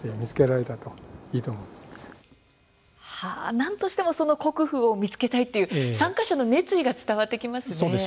なんとしても国府を見つけたいという参加者の熱意が伝わってきますね。